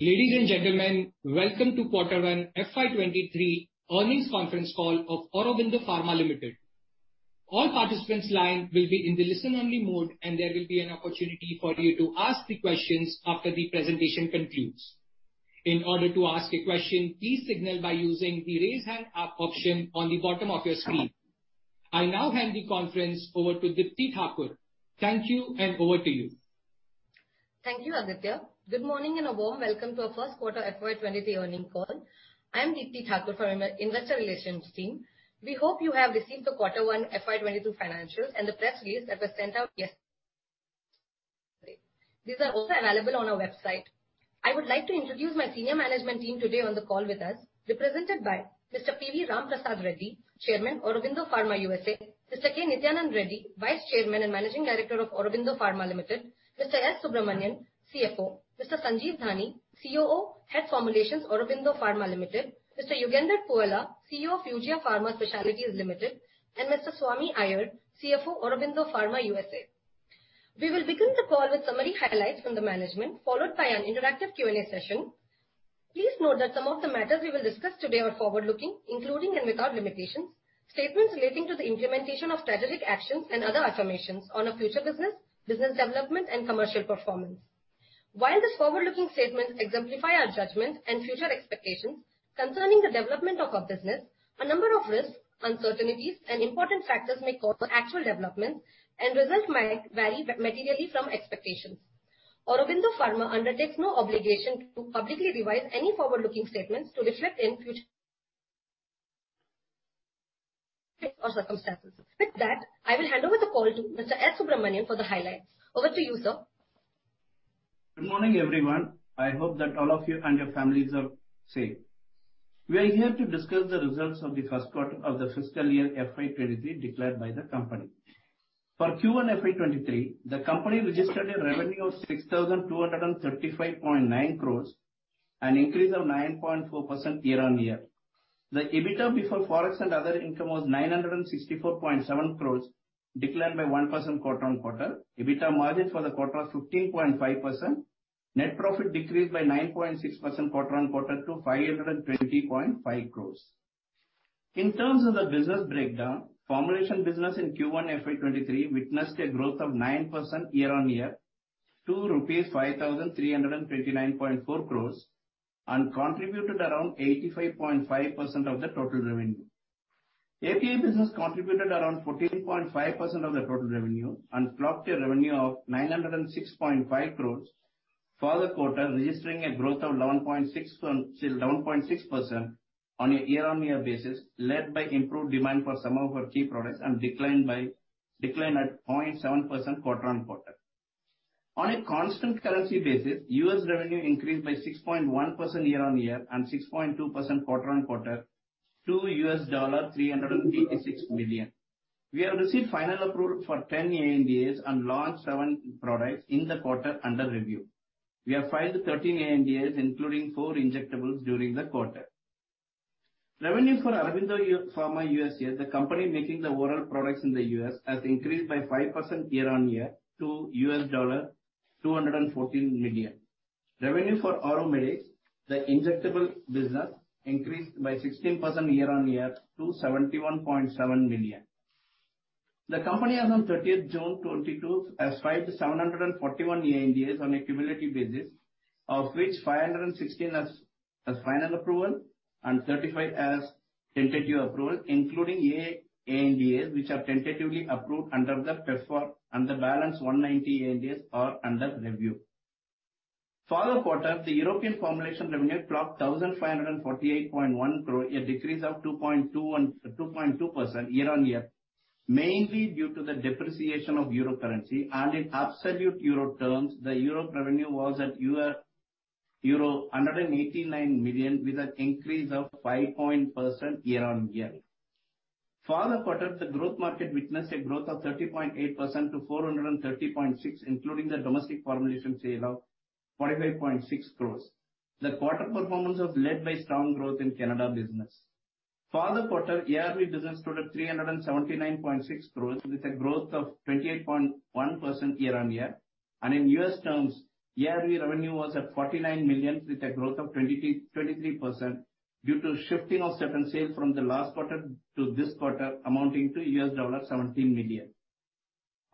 Ladies and gentlemen, welcome to Quarter One FY 2023 Earnings Conference Call of Aurobindo Pharma Limited. All participants' lines will be in the listen-only mode, and there will be an opportunity for you to ask the questions after the presentation concludes. In order to ask a question, please signal by using the raise hand up option on the bottom of your screen. I now hand the conference over to Deepti Thakur. Thank you and over to you. Thank you, Aditya. Good morning and a warm welcome to our First Quarter FY 2023 Earning Call. I'm Deepti Thakur from our Investor Relations team. We hope you have received the quarter one FY 2022 financials and the press release that was sent out yesterday. These are also available on our website. I would like to introduce my senior management team today on the call with us, represented by Mr. P. V. Ramprasad Reddy, Chairman, Aurobindo Pharma USA. Mr. K. Nityanand Reddy, Vice Chairman and Managing Director of Aurobindo Pharma Limited. Mr. S. Subramanian, CFO. Mr. Sanjeev Dani, COO, Head Formulations, Aurobindo Pharma Limited. Mr. Yugandhar Puvvala, CEO of Eugia Pharma Specialities Limited, and Mr. Swami Iyer, CFO, Aurobindo Pharma USA. We will begin the call with summary highlights from the management, followed by an interactive Q&A session. Please note that some of the matters we will discuss today are forward-looking, including and without limitations, statements relating to the implementation of strategic actions and other affirmations on our future business development and commercial performance. While these forward-looking statements exemplify our judgment and future expectations concerning the development of our business, a number of risks, uncertainties, and important factors may cause actual developments and results might vary materially from expectations. Aurobindo Pharma undertakes no obligation to publicly revise any forward-looking statements to reflect any future or circumstances. With that, I will hand over the call to Mr. S. Subramanian for the highlights. Over to you, sir. Good morning, everyone. I hope that all of you and your families are safe. We are here to discuss the results of the first quarter of the fiscal year FY 2023 declared by the company. For Q1 FY 2023, the company registered a revenue of 6,235.9 crores, an increase of 9.4% year-on-year. The EBITDA before Forex and other income was 964.7 crores, declined by 1% quarter-on-quarter. EBITDA margins for the quarter of 15.5%. Net profit decreased by 9.6% quarter-on-quarter to 520.5 crores. In terms of the business breakdown, formulation business in Q1 FY 2023 witnessed a growth of 9% year-on-year to rupees 5,329.4 crores and contributed around 85.5% of the total revenue. API business contributed around 14.5% of the total revenue and clocked a revenue of 906.5 crore for the quarter, registering a growth of 11.6% year-on-year, led by improved demand for some of our key products, and declined by 0.7% quarter-on-quarter. On a constant currency basis, U.S. revenue increased by 6.1% year-on-year and 6.2% quarter-on-quarter to $336 million. We have received final approval for 10 ANDAs and launched seven products in the quarter under review. We have filed 13 ANDAs, including four Injectables, during the quarter. Revenue for Aurobindo Pharma USA, the company making the oral products in the U.S., has increased by 5% year-on-year to $214 million. Revenue for AuroMedics, the injectable business, increased by 16% year-on-year to $71.7 million. The company as on June 30th 2022 has filed 741 ANDAs on a cumulative basis, of which 516 has final approval and 35 has tentative approval, including A-ANDAs which are tentatively approved under the PEPFAR and the balance 190 ANDAs are under review. For the quarter, the European formulation revenue dropped 1,548.1 crore, a decrease of 2.2% year-on-year, mainly due to the depreciation of euro currency and in absolute euro terms, the euro revenue was at euro 189 million with an increase of 5% year-on-year. For the quarter, the growth market witnessed a growth of 30.8% to 430.6 crores, including the domestic formulation sale of 45.6 crores. The quarter performance was led by strong growth in Canada business. For the quarter, ARV business stood at 379.6 crores with a growth of 28.1% year-on-year. In U.S. terms, ARV revenue was at $49 million with a growth of 23% due to shifting of certain sales from the last quarter to this quarter amounting to $17 million.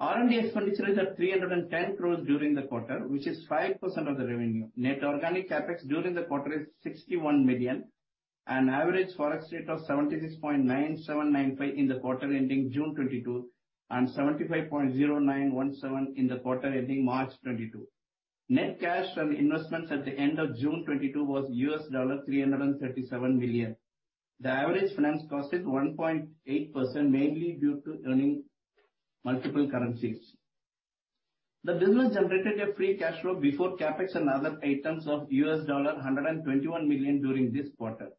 R&D expenditure is at 310 crores during the quarter, which is 5% of the revenue. Net organic CapEx during the quarter is $61 million. An average Forex rate of 76.9795 in the quarter ending June 2022, and 75.0917 in the quarter ending March 2022. Net cash from investments at the end of June 2022 was $337 million. The average finance cost is 1.8%, mainly due to earning multiple currencies. The business generated a free cash flow before CapEx and other items of $121 million during this quarter.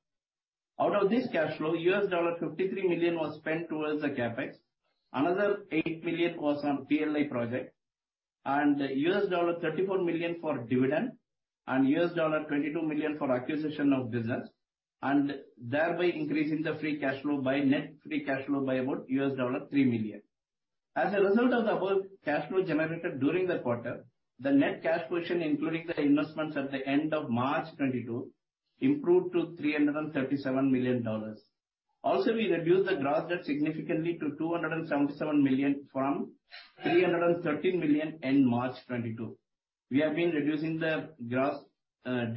Out of this cash flow, $53 million was spent towards the CapEx. Another $8 million was on PLI project and $34 million for dividend and $22 million for acquisition of business, and thereby increasing the net free cash flow by about $3 million. As a result of the above cash flow generated during the quarter, the net cash position, including the investments at the end of March 2022, improved to $337 million. Also, we reduced the gross debt significantly to $277 million from $330 million in March 2022. We have been reducing the gross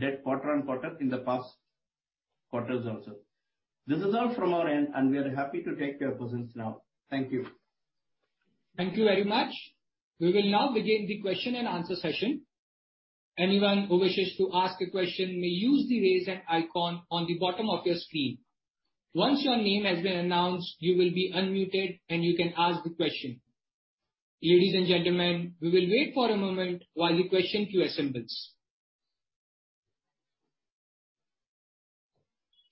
debt quarter on quarter in the past quarters also. This is all from our end, and we are happy to take your questions now. Thank you. Thank you very much. We will now begin the question and answer session. Anyone who wishes to ask a question may use the Raise Hand icon on the bottom of your screen. Once your name has been announced, you will be unmuted, and you can ask the question. Ladies and gentlemen, we will wait for a moment while the question queue assembles.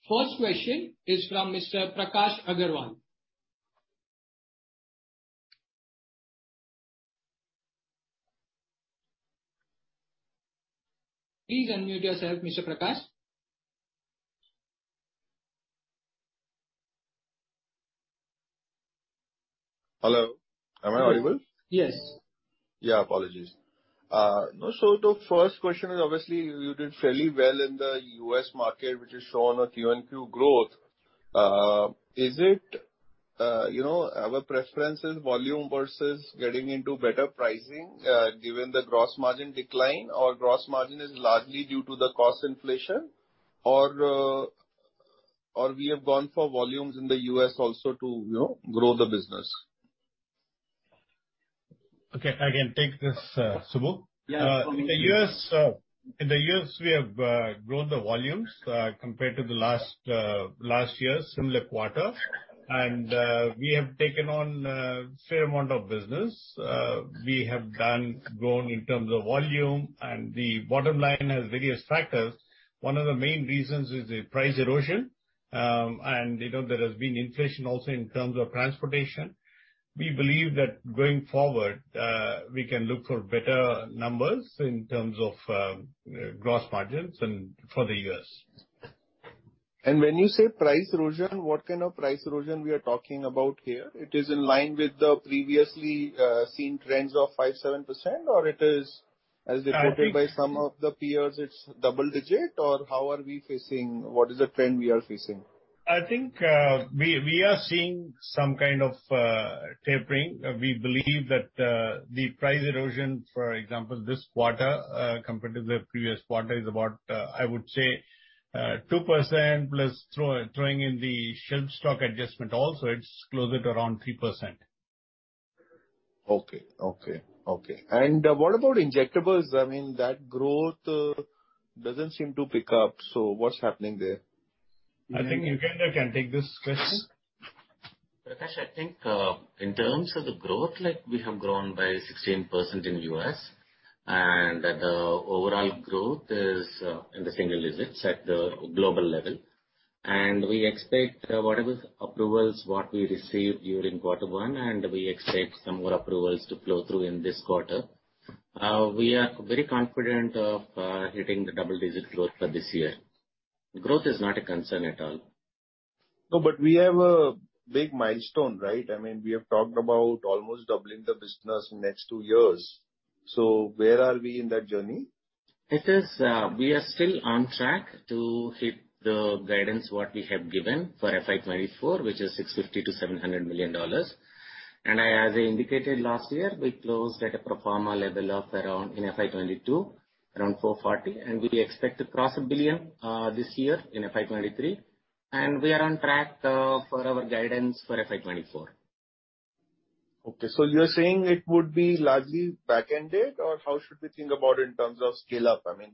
First question is from Mr. Prakash Agarwal. Please unmute yourself, Mr. Prakash. Hello, am I audible? Yes. Yeah. Apologies. The first question is obviously you did fairly well in the U.S. Market, which is shown on Q-on-Q growth. Is it, you know, our preference volume versus getting into better pricing, given the gross margin decline or gross margin is largely due to the cost inflation or we have gone for volumes in the U.S. also to, you know, grow the business? Okay. I can take this, Subbu. Yeah. In the U.S., we have grown the volumes compared to the last year's similar quarter. We have taken on fair amount of business. We have grown in terms of volume, and the bottom line has various factors. One of the main reasons is the price erosion, and you know, there has been inflation also in terms of transportation. We believe that going forward, we can look for better numbers in terms of gross margins and for the U.S. When you say price erosion, what kind of price erosion we are talking about here? It is in line with the previously seen trends of 5%-7% or it is, as reported by some of the peers, it's double-digit or how are we facing it. What is the trend we are facing? I think, we are seeing some kind of tapering. We believe that the price erosion, for example, this quarter compared to the previous quarter is about, I would say, 2%+, throwing in the shelf stock adjustment also, it's closer to around 3%. Okay. What about injectables? I mean, that growth doesn't seem to pick up, so what's happening there? I think Yugandhar Puvvala can take this question. Prakash, I think, in terms of the growth, like we have grown by 16% in U.S. and the overall growth is, in the single digits at the global level. We expect whatever approvals what we receive during quarter one, and we expect some more approvals to flow through in this quarter. We are very confident of, hitting the double-digit growth for this year. Growth is not a concern at all. No, we have a big milestone, right? I mean, we have talked about almost doubling the business next two years. Where are we in that journey? We are still on track to hit the guidance what we have given for FY 2024, which is $650-$700 million. As I indicated last year, we closed at a pro forma level of around $440 million in FY 2022, and we expect to cross $1 billion this year in FY 2023, and we are on track for our guidance for FY 2024. Okay. You're saying it would be largely back-ended or how should we think about in terms of scale-up, I mean?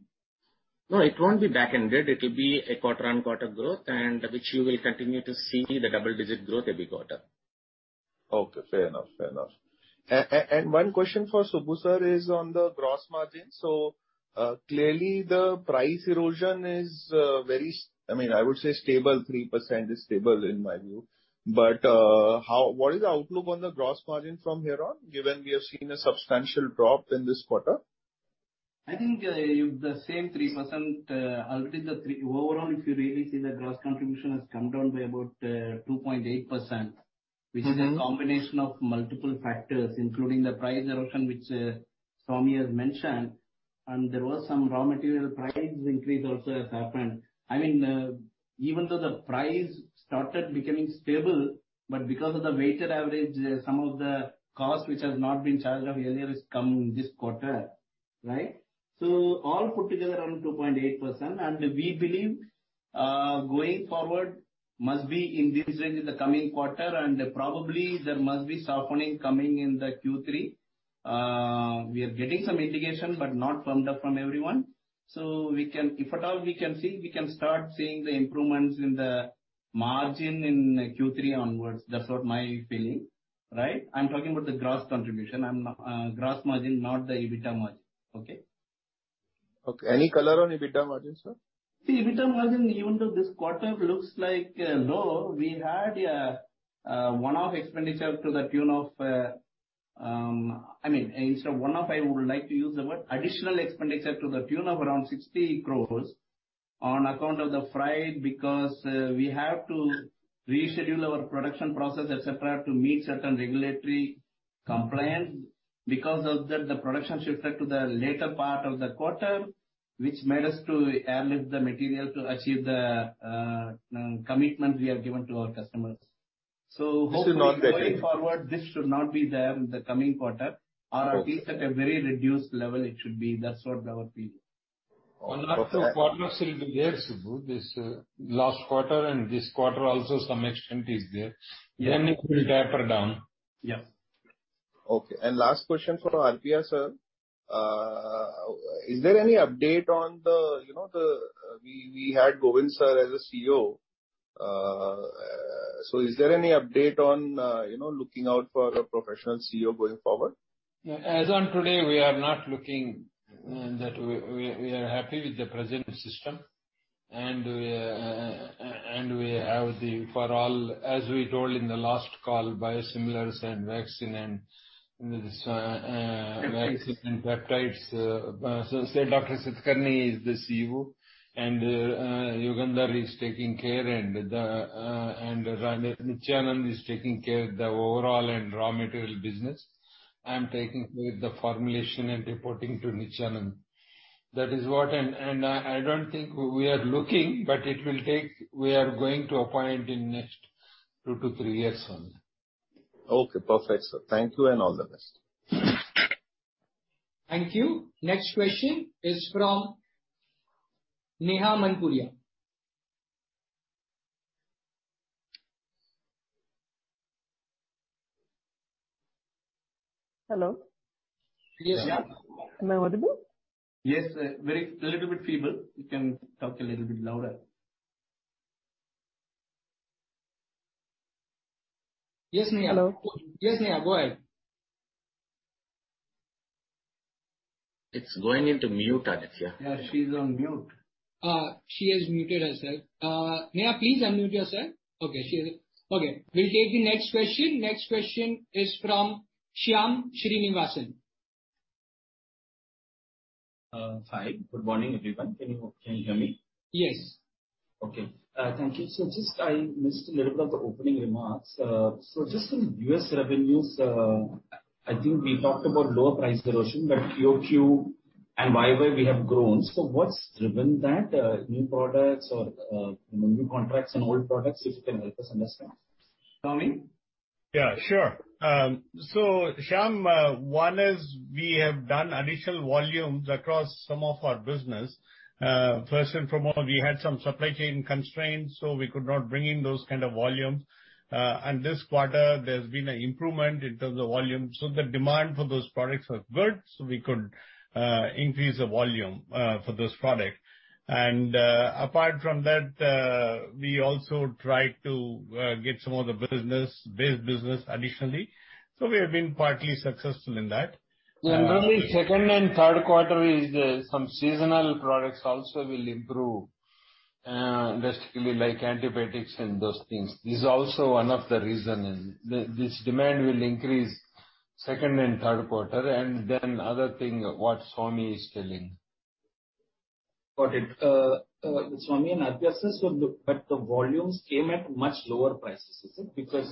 No, it won't be back-ended. It will be a quarter-on-quarter growth and which you will continue to see the double-digit growth every quarter. Okay. Fair enough. One question for Subbu, sir, is on the gross margin. Clearly the price erosion is, I mean, I would say stable, 3% is stable in my view. What is the outlook on the gross margin from here on, given we have seen a substantial drop in this quarter? I think overall, if you really see, the gross contribution has come down by about 2.8%. Mm-hmm. Which is a combination of multiple factors, including the price erosion, which Swami has mentioned, and there was some raw material price increase also has happened. I mean, even though the price started becoming stable, but because of the weighted average, some of the costs which have not been charged off earlier has come this quarter, right? All put together around 2.8%, and we believe going forward must be in this range in the coming quarter, and probably there must be softening coming in the Q3. We are getting some indication, but not firmed up from everyone. If at all we can see, we can start seeing the improvements in the margin in Q3 onwards. That's what my feeling, right? I'm talking about the gross contribution and gross margin, not the EBITDA margin. Okay? Okay. Any color on EBITDA margin, sir? The EBITDA margin, even though this quarter it looks like low, we had one-off expenditure to the tune of, I mean, instead of one-off, I would like to use the word additional expenditure to the tune of around 60 crore. On account of the freight, because we have to reschedule our production process, et cetera, to meet certain regulatory compliance. Because of that, the production shifted to the later part of the quarter, which made us to airlift the material to achieve the commitment we have given to our customers. Hopefully This is not recurring. Going forward, this should not be there in the coming quarter. Okay. At least at a very reduced level, it should be. That's what our view. Okay. One or two quarters will be there, Subbu. This last quarter and this quarter also some extent is there. Yeah. It will taper down. Yeah. Okay. Last question from P. V. Ramprasad Reddy sir. Is there any update on the, you know, We had N. Govindarajan sir as a CEO. Is there any update on, you know, looking out for a professional CEO going forward? As on today, we are not looking, in that we are happy with the present system. We have. For all, as we told in the last call, biosimilars and vaccine and this vaccine peptides, so Dr. Satakarni Makkapati is the CEO, and Yugandhar Puvvala is taking care, and K. Nityanand Reddy is taking care of the overall and raw material business. I'm taking care of the formulation and reporting to K. Nityanand Reddy. That is what. I don't think we are looking, but it will take. We are going to appoint in next two-three years only. Okay, perfect, sir. Thank you and all the best. Thank you. Next question is from Neha Manpuria. Hello. Yes, Neha. Am I audible? Yes, a little bit feeble. You can talk a little bit louder. Yes, Neha. Hello. Yes, Neha, go ahead. It's going into mute, Aditya. Yeah, she's on mute. She has muted herself. Neha, please unmute yourself. Okay. She is okay. We'll take the next question. Next question is from Shyam Srinivasan. Hi. Good morning, everyone. Can you hear me? Yes. Okay. Thank you. I missed a little bit of the opening remarks. Just on U.S. revenues, I think we talked about lower price erosion, but QOQ and YOY we have grown. What's driven that? New products or new contracts and old products, if you can help us understand. Swami? Yeah, sure. Shyam, one is we have done additional volumes across some of our business. First and foremost, we had some supply chain constraints, so we could not bring in those kind of volumes. This quarter there's been an improvement in terms of volume, so the demand for those products was good, so we could increase the volume for those products. Apart from that, we also tried to get some of the business, base business additionally. We have been partly successful in that. Normally second and third quarter is, some seasonal products also will improve, basically like antibiotics and those things. This is also one of the reason is this demand will increase second and third quarter. Then other thing what Swami is telling. Got it. Swami and Ramprasad sir, the volumes came at much lower prices, is it? Because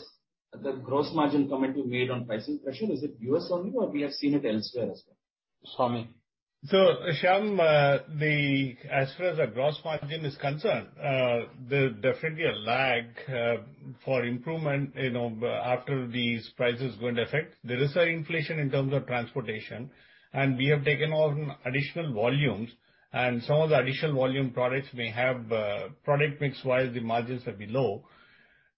the gross margin comment you made on pricing pressure, is it U.S. only or we have seen it elsewhere as well? Swami. Shyam, as far as the gross margin is concerned, there's definitely a lag for improvement, you know, after these prices go into effect. There's inflation in terms of transportation, and we have taken on additional volumes, and some of the additional volume products may have, product mix-wise, the margins have been low.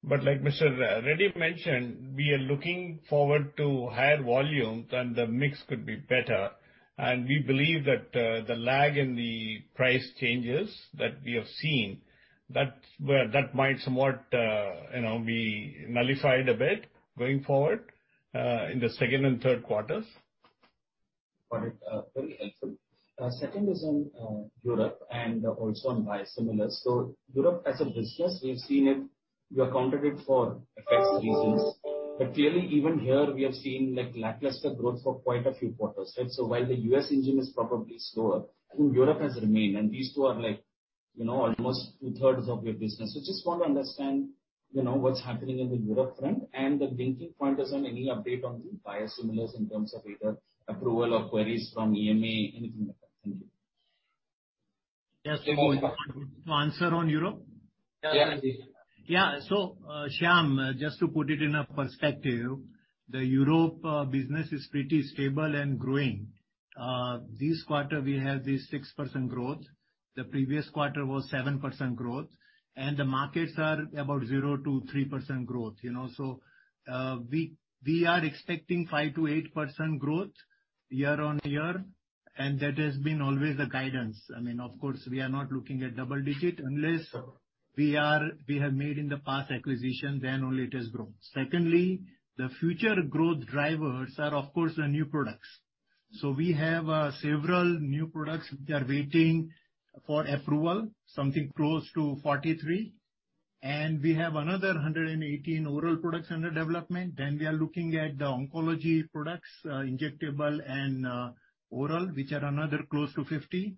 Like Mr. Reddy mentioned, we are looking forward to higher volumes, and the mix could be better. We believe that, the lag in the price changes that we have seen, that's where that might somewhat, you know, be nullified a bit going forward, in the second and third quarters. Got it. Very helpful. Second is on Europe and also on biosimilars. Europe as a business, we've seen it. You accounted it for FX reasons. Clearly even here we have seen like lackluster growth for quite a few quarters, right? While the U.S. engine is probably slower, I think Europe has remained, and these two are like, you know, almost 2/3 of your business. Just want to understand, you know, what's happening in the Europe front. The linking point is on any update on the biosimilars in terms of either approval or queries from EMA, anything like that. Thank you. Yes. To answer on Europe? Yeah. Yeah, Shyam, just to put it in a perspective, the Europe business is pretty stable and growing. This quarter we have the 6% growth. The previous quarter was 7% growth. The markets are about 0%-3% growth, you know. We are expecting 5%-8% growth year-on-year, and that has been always the guidance. I mean, of course, we are not looking at double-digit unless we have made in the past acquisition, then only it has grown. Secondly, the future growth drivers are of course the new products. We have several new products which are waiting for approval, something close to 43. And we have another 118 oral products under development. We are looking at the oncology products, injectable and oral, which are another close to 50.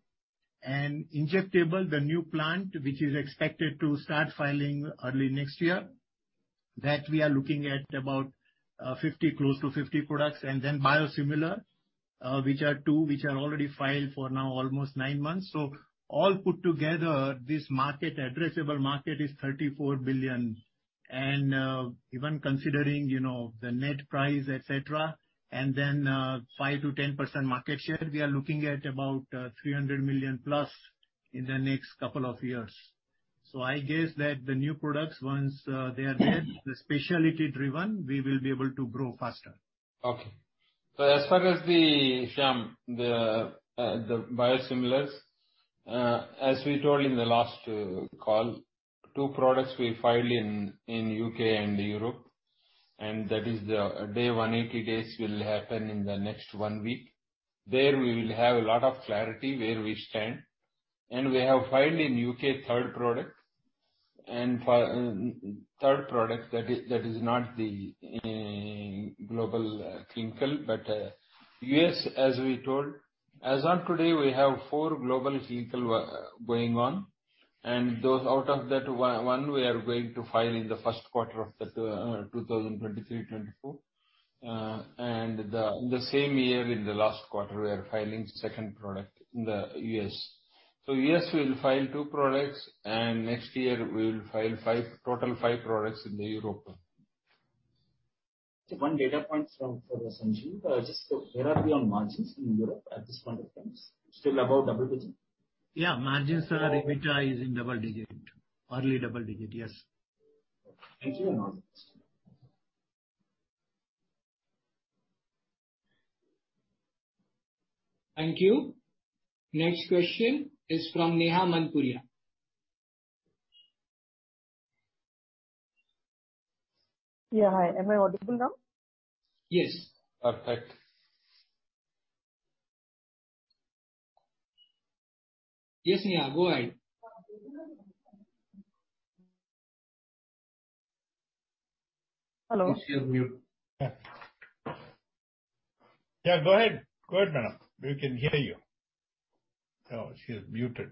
Injectable, the new plant, which is expected to start filing early next year, that we are looking at about 50, close to 50 products. Biosimilar, which are two, which are already filed for now almost nine months. All put together, this market, addressable market is $34 billion. Even considering, you know, the net price, et cetera, and then 5%-10% market share, we are looking at about 300 million-plus in the next couple of years. I guess that the new products, once they are there, the specialty-driven, we will be able to grow faster. Okay. As far as the biosimilars, as we told in the last call, two products we filed in U.K. and Europe, and that is the Day 180 days will happen in the next one week. There we will have a lot of clarity where we stand. We have filed in U.K. third product. For third product that is not the global clinical. Yes, as we told, as of today, we have four global clinical going on. Those out of that one we are going to file in the first quarter of the 2023-24. The same year in the last quarter we are filing second product in the U.S. U.S. we'll file two products, and next year we will file five, total five products in Europe. One data point for Sanjeev. Just where are we on margins in Europe at this point of time? Still about double-digit%? Yeah, margins are. EBITDA is in double digits. Early double digits, yes. Thank you. You're welcome. Thank you. Next question is from Neha Manpuria. Yeah, hi. Am I audible now? Yes. Perfect. Yes, Neha, go ahead. Hello? She's mute. Yeah. Yeah, go ahead. Go ahead, madam. We can hear you. Oh, she's muted.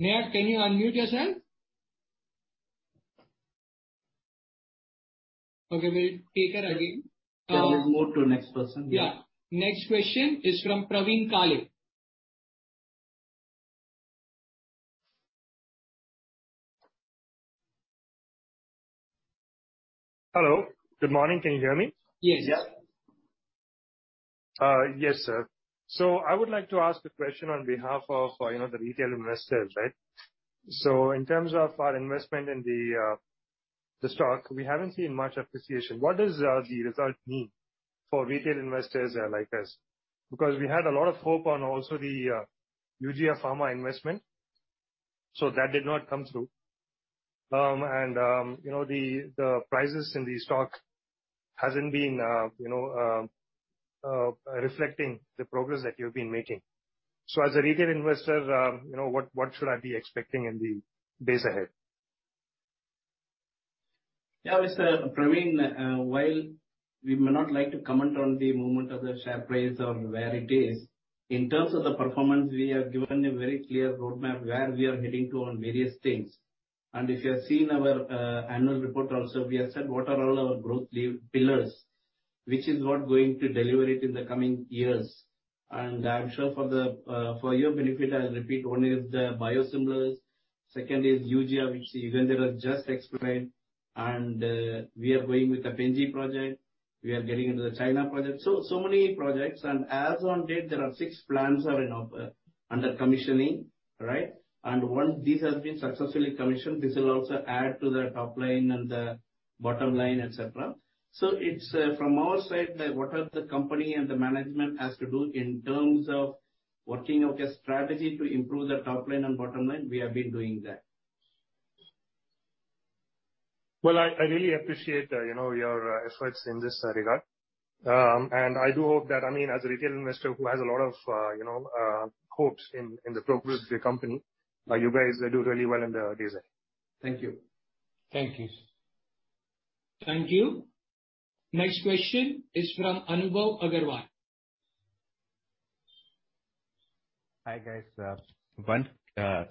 Neha, can you unmute yourself? Okay, we'll take her again. Yeah, let's move to the next person. Yeah. Next question is from Praveen Kale. Hello. Good morning. Can you hear me? Yes. Yeah. Yes, sir. I would like to ask a question on behalf of, you know, the retail investors, right? In terms of our investment in the stock, we haven't seen much appreciation. What does the result mean for retail investors, like us? Because we had a lot of hope on also the Eugia Pharma investment, so that did not come through. You know, the prices in the stock hasn't been, you know, reflecting the progress that you've been making. As a retail investor, you know, what should I be expecting in the days ahead? Yeah, Mr. Praveen, while we may not like to comment on the movement of the share price or where it is, in terms of the performance, we have given a very clear roadmap where we are heading to on various things. If you have seen our annual report also, we have said what are all our growth pillars, which is what going to deliver it in the coming years. I'm sure for your benefit, I'll repeat. One is the biosimilars, second is Eugia, which Yugandhar Puvvala are just explained. We are going with Pen G project. We are getting into the China project. So many projects and as on date there are six plants are under commissioning, right? Once this has been successfully commissioned, this will also add to the top line and the bottom line, etc. It's from our side, what the company and the management has to do in terms of working out a strategy to improve the top line and bottom line, we have been doing that. Well, I really appreciate, you know, your efforts in this regard. I do hope that, I mean, as a retail investor who has a lot of, you know, hopes in the progress of the company, you guys do really well in the days ahead. Thank you. Thank you. Thank you. Next question is from Anubhav Agarwal. Hi, guys.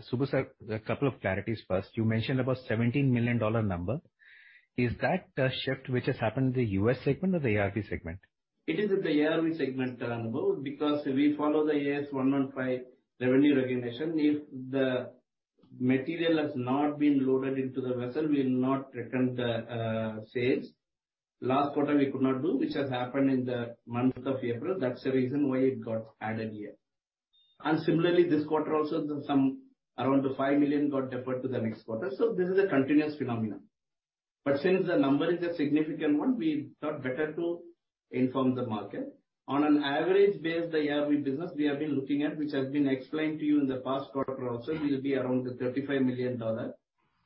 Subbu sir, a couple of clarities first. You mentioned about $17 million number. Is that the shift which has happened in the U.S. segment or the ARV segment? It is with the ARV segment, Anubhav, because we follow the Ind AS 115 revenue recognition. If the material has not been loaded into the vessel, we'll not return the sales. Last quarter we could not do, which has happened in the month of April. That's the reason why it got added here. Similarly, this quarter also, some around $5 million got deferred to the next quarter. This is a continuous phenomenon. Since the number is a significant one, we thought better to inform the market. On an average base, the ARV business we have been looking at, which has been explained to you in the past quarter also, will be around the $35 million.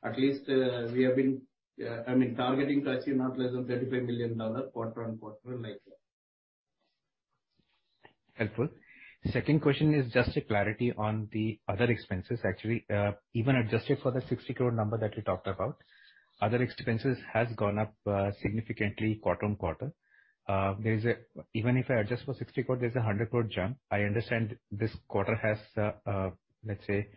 At least, we have been, I mean, targeting to achieve not less than $35 million quarter on quarter like that. Helpful. Second question is just a clarity on the other expenses, actually. Even adjusted for the 60 crore number that you talked about, other expenses has gone up significantly quarter-on-quarter. Even if I adjust for 60 crore, there's a 100 crore jump. I understand this quarter has, let's say,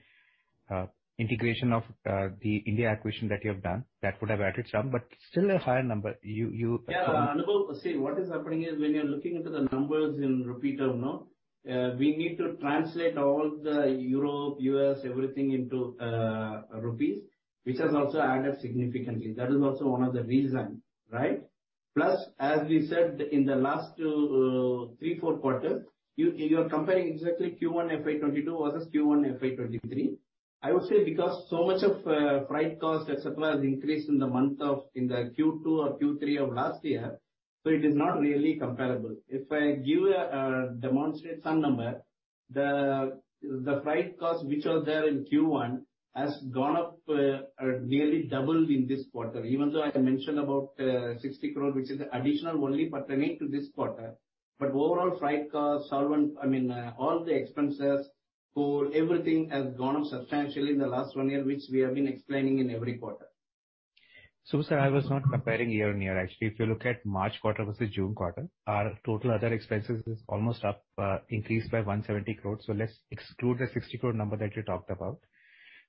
integration of the India acquisition that you have done that would have added some, but still a higher number. You Anubhav. See, what is happening is when you're looking into the numbers in rupee terms, we need to translate all Europe, U.S., everything into rupees, which has also added significantly. That is also one of the reasons, right? As we said in the last two, three, four quarters, you're comparing exactly Q1 FY 2022 versus Q1 FY 2023. I would say because so much of freight costs et cetera has increased in the Q2 or Q3 of last year, so it is not really comparable. If I give a demonstration of some numbers, the freight cost which was there in Q1 has gone up nearly double in this quarter. Even though I mentioned about 60 crore, which is additional only pertaining to this quarter. Overall, freight costs, solvent. I mean, all the expenses for everything has gone up substantially in the last one year, which we have been explaining in every quarter. Sir, I was not comparing year-on-year, actually. If you look at March quarter versus June quarter, our total other expenses is almost up, increased by 170 crore. Let's exclude the 60 crore number that you talked about.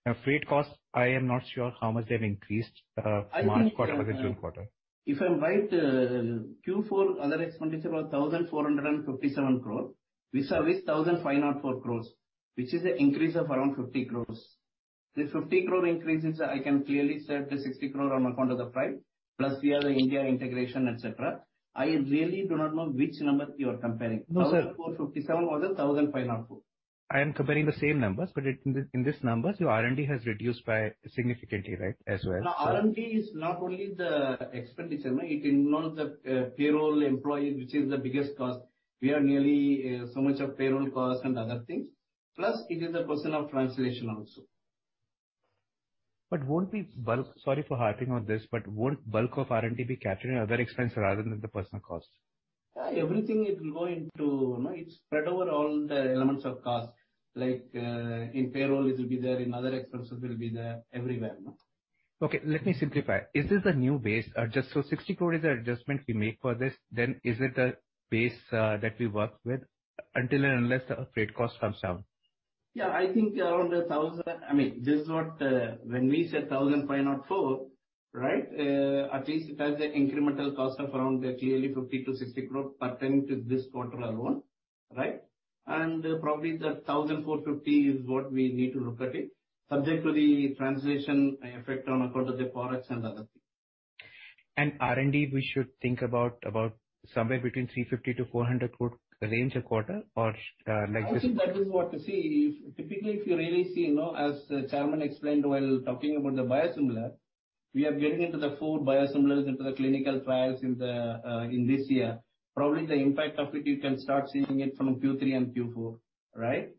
Now, freight costs, I am not sure how much they have increased, March quarter versus June quarter. If I'm right, Q4 other expenditure was 1,457 crore, versus 1,504 crore, which is an increase of around 50 crore. The 50 crore increase is, I can clearly say, up to 60 crore on account of the freight, plus we have the India integration, et cetera. I really do not know which number you are comparing. No, sir. 1,457 or the 1,504. I am comparing the same numbers, but in these numbers, your R&D has reduced significantly, right, as well, so. No, R&D is not only the expenditure, no. It involves the payroll employees, which is the biggest cost. We are nearly so much of payroll cost and other things. Plus, it is a question of translation also. Sorry for harping on this, but won't bulk of R&D be captured in other expense rather than the personnel cost? Yeah, everything it will go into, no, it spread over all the elements of cost. Like, in payroll it will be there, in other expenses it will be there, everywhere, no? Okay, let me simplify. Is this a new base? Just so 60 crore is the adjustment we make for this. Is it a base that we work with until and unless the freight cost comes down? Yeah, I think around 1,000. I mean, this is what, when we said 1,504, right, at least it has an incremental cost of around clearly 50 crore-60 crore pertaining to this quarter alone, right? Probably the 1,450 is what we need to look at it, subject to the translation effect on account of the forex and other things. R&D, we should think about somewhere between 350 crore-400 crore range a quarter? I think that is what, typically, if you really see, you know, as Chairman explained while talking about the biosimilar, we are getting into the four biosimilars into the clinical trials in the, in this year. Probably the impact of it, you can start seeing it from Q3 and Q4, right?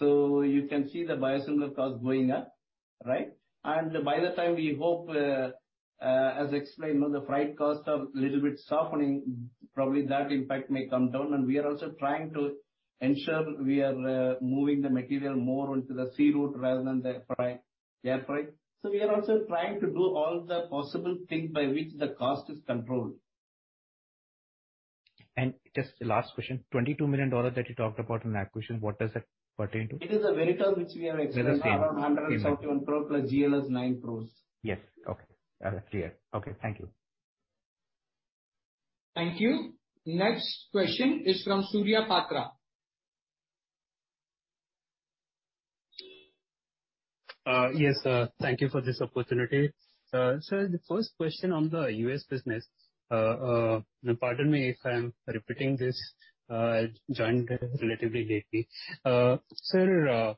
You can see the biosimilar costs going up, right? By the time we hope, as explained, you know, the freight cost are little bit softening, probably that impact may come down. We are also trying to ensure we are, moving the material more onto the sea route rather than the air freight. We are also trying to do all the possible things by which the cost is controlled. Just last question. $22 million that you talked about in acquisition, what does that pertain to? It is the Veritaz which we have explained. That is same. Same. Around 131 crore plus GLS 9 crores. Yes. Okay. Clear. Okay, thank you. Thank you. Next question is from Surya Patra. Yes. Thank you for this opportunity. Sir, the first question on the U.S. business. Pardon me if I'm repeating this. I joined relatively lately. Sir,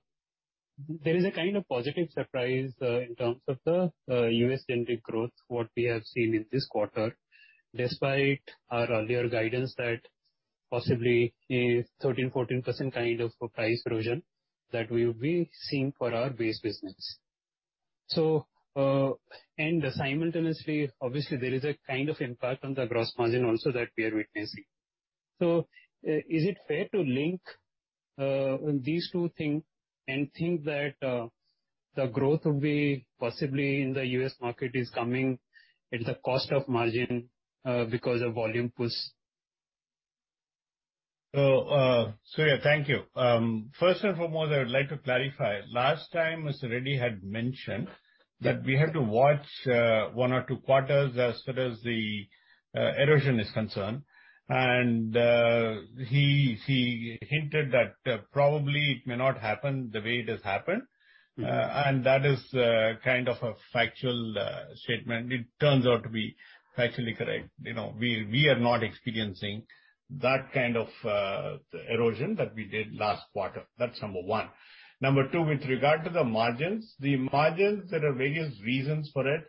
there is a kind of positive surprise in terms of the U.S. generic growth, what we have seen in this quarter, despite our earlier guidance that possibly a 13%-14% kind of price erosion that we've been seeing for our base business. Simultaneously, obviously there is a kind of impact on the gross margin also that we are witnessing. Is it fair to link these two thing and think that the growth will be possibly in the U.S. market is coming at the cost of margin because of volume push? Surya, thank you. First and foremost, I would like to clarify. Last time Mr. Reddy had mentioned- Yes. that we have to watch one or two quarters as far as the erosion is concerned. He hinted that probably it may not happen the way it has happened. Mm-hmm. That is kind of a factual statement. It turns out to be factually correct. You know, we are not experiencing that kind of erosion that we did last quarter. That's number one. Number two, with regard to the margins. The margins, there are various reasons for it.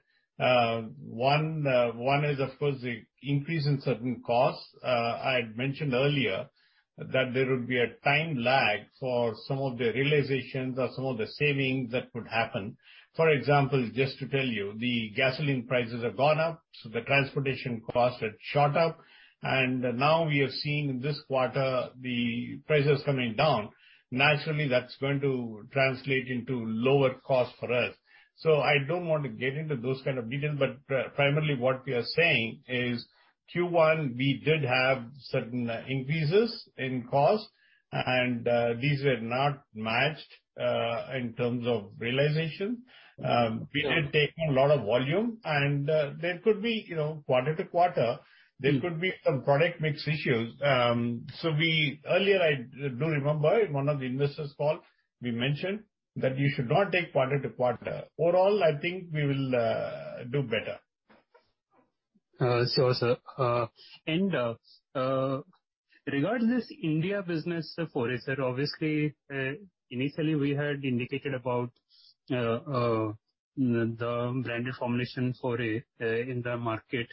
One is of course the increase in certain costs. I had mentioned earlier that there would be a time lag for some of the realizations or some of the savings that would happen. For example, just to tell you, the gasoline prices have gone up, so the transportation costs had shot up. Now we are seeing in this quarter the prices coming down. Naturally, that's going to translate into lower cost for us. I don't want to get into those kind of details, but primarily what we are saying is Q1 we did have certain increases in cost and, these were not matched, in terms of realization. Sure. We are taking a lot of volume and, there could be, you know, quarter to quarter. Mm-hmm. There could be some product mix issues. Earlier I do remember in one of the investors' call we mentioned that you should not take quarter-to-quarter. Overall, I think we will do better. Sure, sir. Regarding this India business, sir, for it, sir, obviously, initially we had indicated about the branded formulations in the market,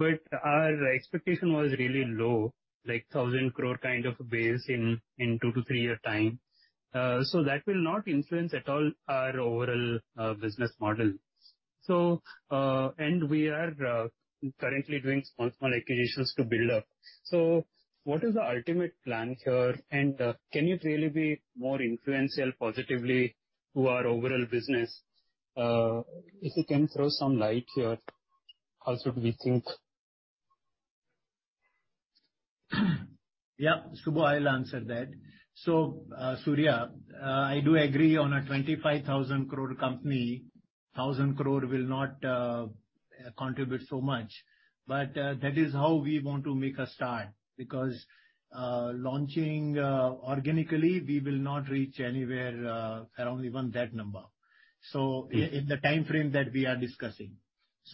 but our expectation was really low, like 1,000 crore kind of base in two- to three-year time. That will not influence at all our overall business model. We are currently doing small acquisitions to build up. What is the ultimate plan here? Can you really be more influential positively to our overall business? If you can throw some light here, how should we think? Yeah. Subbu, I'll answer that. Surya, I do agree on a 25,000 crore company, 1,000 crore will not contribute so much. That is how we want to make a start because launching organically we will not reach anywhere around even that number, so- Yes In the timeframe that we are discussing.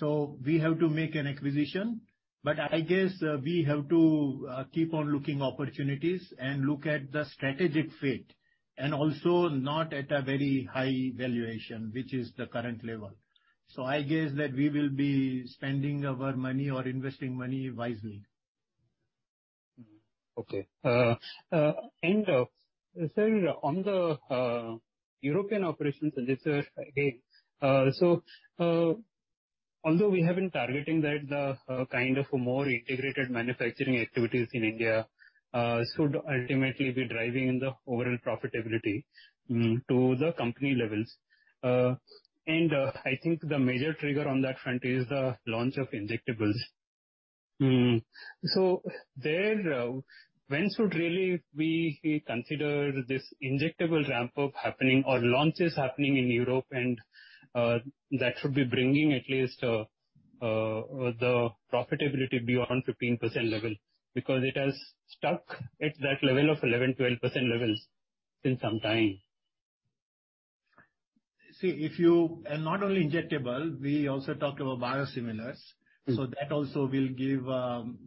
We have to make an acquisition, but I guess we have to keep on looking opportunities and look at the strategic fit and also not at a very high valuation, which is the current level. I guess that we will be spending our money or investing money wisely. Sir, on the European operations, although we have been targeting that kind of a more integrated manufacturing activities in India should ultimately be driving the overall profitability to the company levels. I think the major trigger on that front is the launch of injectables. Mm-hmm. When should really we consider this injectable ramp up happening or launches happening in Europe and that should be bringing at least the profitability beyond 15% level because it has stuck at that level of 11%-12% levels since some time. Not only injectable, we also talked about biosimilars. Mm-hmm. That also will give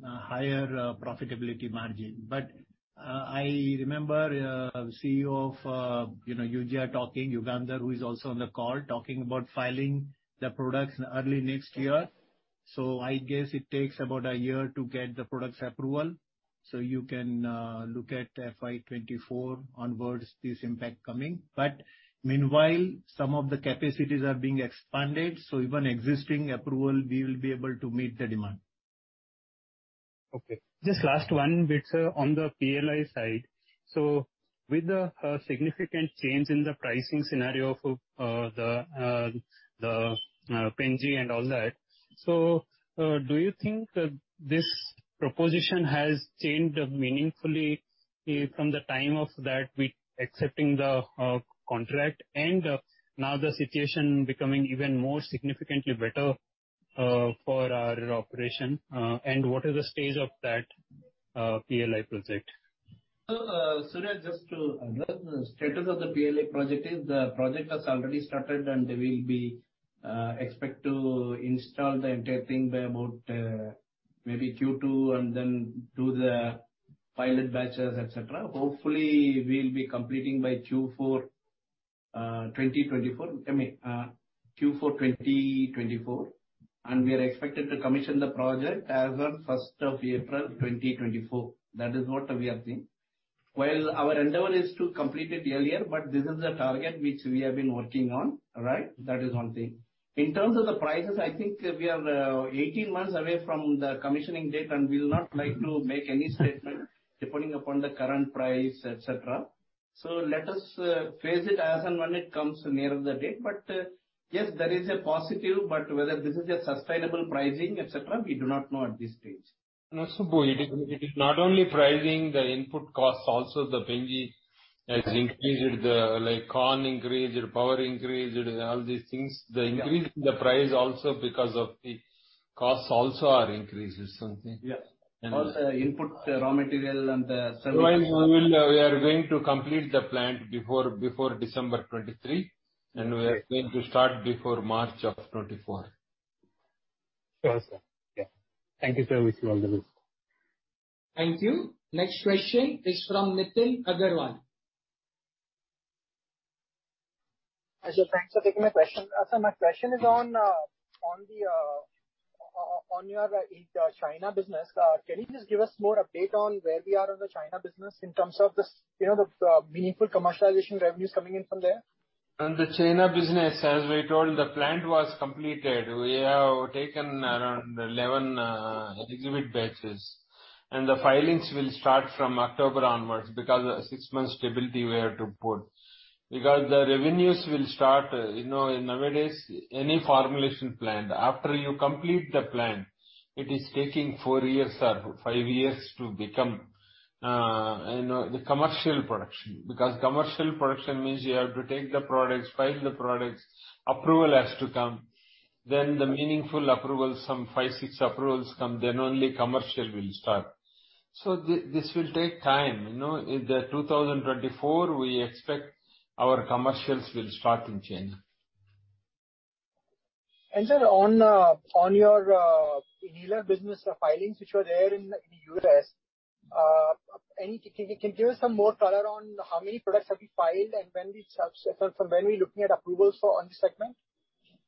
higher profitability margin. I remember CEO of you know Yugandhar talking, Yugandhar who is also on the call, talking about filing the products early next year. I guess it takes about a year to get the products approval. You can look at FY 2024 onwards, this impact coming. Meanwhile some of the capacities are being expanded, so even existing approval we will be able to meet the demand. Okay. Just last one bit, sir, on the PLI side. With the significant change in the pricing scenario for the Penicillin G and all that, do you think that this proposition has changed meaningfully from the time of that we accepting the contract and now the situation becoming even more significantly better for our operation? What is the stage of that PLI project? Surya Patra, the status of the PLI project is the project has already started and we expect to install the entire thing by about maybe Q2 and then do the pilot batches, et cetera. Hopefully we'll be completing by Q4 2024. I mean, Q4 2024. We are expected to commission the project as of first of April 2024. That is what we are seeing. Well, our endeavor is to complete it earlier, but this is the target which we have been working on. All right. That is one thing. In terms of the prices, I think we are 18 months away from the commissioning date, and we'll not like to make any statement depending upon the current price, et cetera. Let us face it as and when it comes nearer the date. Yes, there is a positive, but whether this is a sustainable pricing, et cetera, we do not know at this stage. No, Subbu, it is not only pricing, the input costs also, the Penicillin G has increased, the like cost increased, power increased, all these things. The increase in the price also because of the costs also are increases, don't you think? Yes. And- All the input raw material and the service. Meanwhile, we are going to complete the plant before December 2023, and we are going to start before March 2024. Sure, sir. Yeah. Thank you, sir. Wish you all the best. Thank you. Next question is from Nitin Agarwal. Yes, sir. Thanks for taking my question. Sir, my question is on your in China business. Can you just give us more update on where we are on the China business in terms of this, you know, the meaningful commercialization revenues coming in from there? On the China business, as we told, the plant was completed. We have taken around 11 exhibit batches, and the filings will start from October onwards because six months stability we have to put. Because the revenues will start, you know, nowadays any formulation plant, after you complete the plant, it is taking four years or five years to become, you know, the commercial production. Because commercial production means you have to take the products, file the products, approval has to come, then the meaningful approval, some five-six approvals come, then only commercial will start. This will take time. You know, in 2024, we expect our commercials will start in China. Sir, on your inhaler business filings, which were there in the U.S., can you give some more color on how many products have you filed and when we submit from when we are looking at approvals for this segment?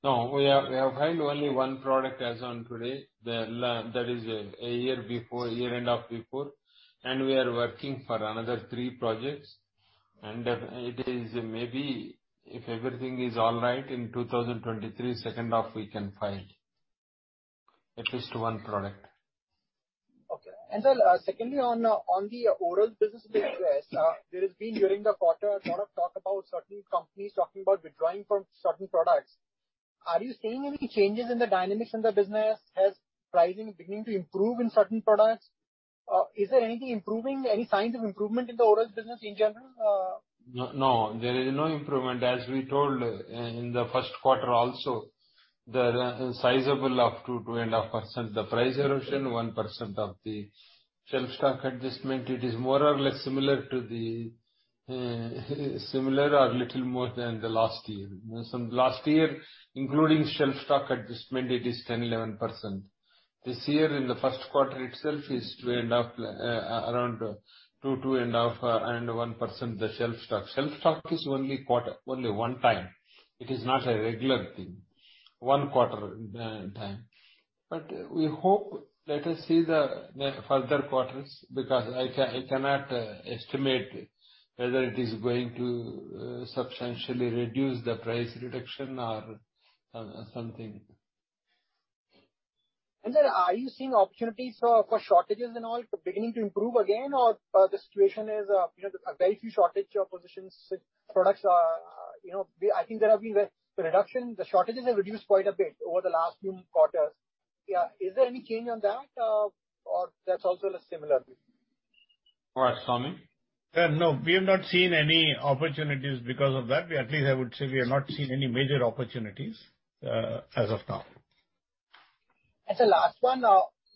No, we have filed only one product as on today. That is a year before, a year and a half before, and we are working for another three projects. It is maybe if everything is all right, in 2023, second half, we can file at least one product. Okay. Sir, secondly, on the oral business in the U.S., there has been during the quarter a lot of talk about certain companies talking about withdrawing from certain products. Are you seeing any changes in the dynamics in the business as pricing beginning to improve in certain products? Is there anything improving, any signs of improvement in the oral business in general? No, there is no improvement. As we told in the first quarter also, the sizable 2.5%, the price erosion, 1% of the shelf stock adjustment, it is more or less similar to the similar or little more than the last year. You know, same last year, including shelf stock adjustment, it is 10%-11%. This year, in the first quarter itself is 2.5%, around 2.5%, and 1% the shelf stock. Shelf stock is only quarter, only one time. It is not a regular thing. One quarter time. We hope, let us see the further quarters because I cannot estimate whether it is going to substantially reduce the price reduction or something. Sir, are you seeing opportunities for shortages and all beginning to improve again or the situation is you know, very few shortage positions, products are, you know, I think there have been the reduction, the shortages have reduced quite a bit over the last few quarters. Yeah. Is there any change on that or that's also a similar view? All right. Swami? No. We have not seen any opportunities because of that. At least I would say we have not seen any major opportunities, as of now. Sir, last one.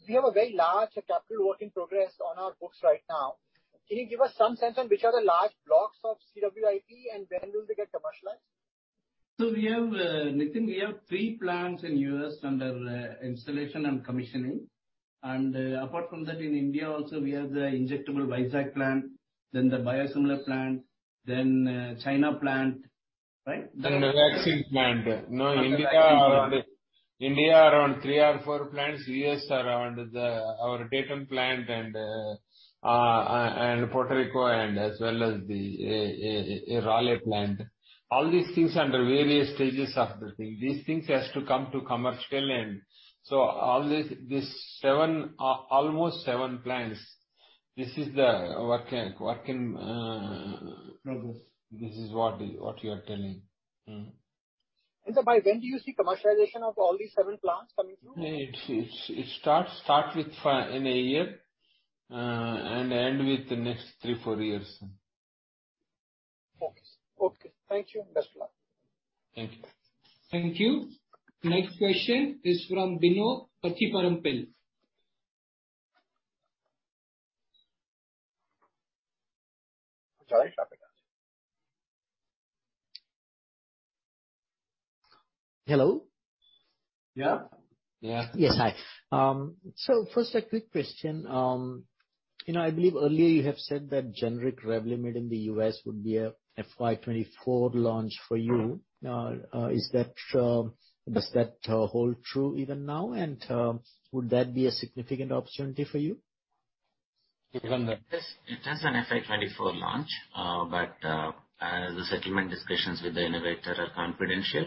We have a very large capital work in progress on our books right now. Can you give us some sense on which are the large blocks of CWIP and when will they get commercialized? We have, Nitin, we have three plants in U.S. under installation and commissioning. Apart from that, in India also we have the injectable Vizag plant, then the biosimilar plant, then China plant, right? The vaccine plant. You know, in India, around three or four plants. In the US, around our Dayton plant and Puerto Rico and as well as the Raleigh plant. All these things under various stages of the thing. These things has to come to commercial end. All these almost seven plants, this is the working. Progress. This is what you are telling. Mm-hmm. Sir, by when do you see commercialization of all these seven plants coming through? It starts with five in a year and ends with the next three-four years. Okay. Thank you, and best luck. Thank you. Thank you. Next question is from Bino Pathiparampil. Sorry, Hello? Yeah. Yeah. Yes. Hi. First a quick question. You know, I believe earlier you have said that generic Revlimid in the U.S. would be a FY 2024 launch for you. Does that hold true even now? Would that be a significant opportunity for you? Binoy. Yes, it has an FY 2024 launch. As the settlement discussions with the innovator are confidential,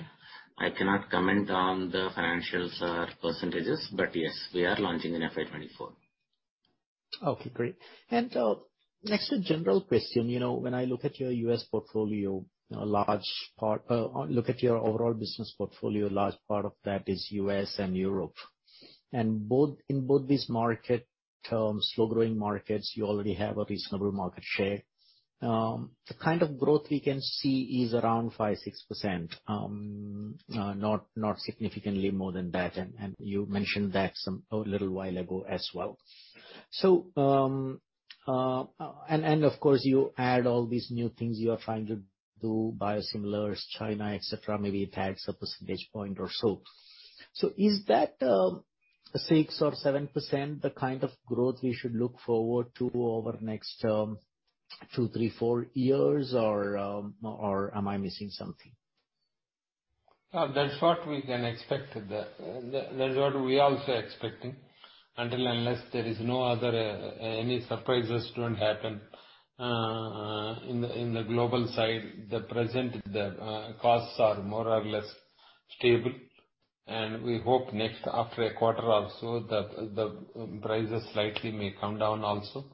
I cannot comment on the financials or percentages, but yes, we are launching in FY 2024. Okay, great. Next, a general question. You know, when I look at your overall business portfolio, a large part of that is U.S. and Europe. In both these markets, slow growing markets, you already have a reasonable market share. The kind of growth we can see is around 5%-6%, not significantly more than that. You mentioned that sometime a little while ago as well. Of course you add all these new things you are trying to do, biosimilars, China, et cetera, maybe it adds a percentage point or so. Is that 6% or 7% the kind of growth we should look forward to over the next two, three, four years or am I missing something? No, that's what we can expect. That's what we're also expecting. Unless there is no other any surprises don't happen in the global side. The present costs are more or less stable. We hope next, after a quarter or so, the prices slightly may come down also.